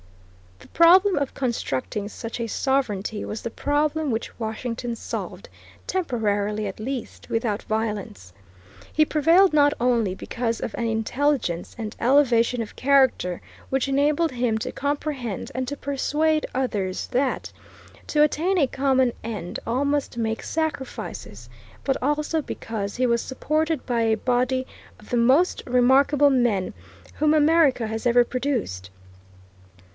The problem of constructing such a sovereignty was the problem which Washington solved, temporarily at least, without violence. He prevailed not only because of an intelligence and elevation of character which enabled him to comprehend, and to persuade others, that, to attain a common end, all must make sacrifices, but also because he was supported by a body of the most remarkable men whom America has ever produced.